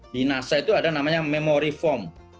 di nasa itu ada namanya memory foam